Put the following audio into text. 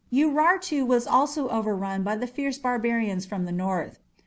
Urartu was also overrun by the fierce barbarians from the north.